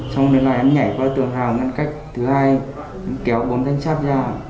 xong đến lại em nhảy qua tường hào ngăn cách thứ hai kéo bóng thanh sát ra